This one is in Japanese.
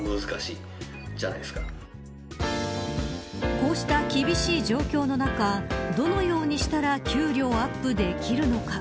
こうした厳しい状況の中どのようにしたら給料アップできるのか。